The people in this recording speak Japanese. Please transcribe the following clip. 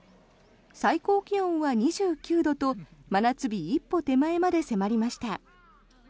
最高気温は２９度と真夏日一歩手前まで迫りました。